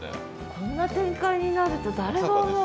こんな展開になると誰が思う？